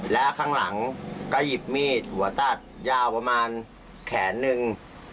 แล้วข้างหลังก็หยิบมีดหัวตัดยาวประมาณแขนนึง